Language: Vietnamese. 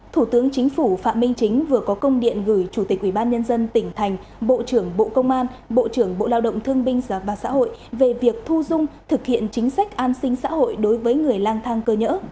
thủ tướng chính phủ phạm minh chính vừa có công điện gửi chủ tịch ubnd tỉnh thành bộ trưởng bộ công an bộ trưởng bộ lao động thương binh và xã hội về việc thu dung thực hiện chính sách an sinh xã hội đối với người lang thang cơ nhỡ